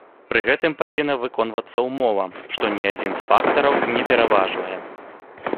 Пры гэтым павінна выконвацца ўмова, што ні адзін з фактараў не пераважвае.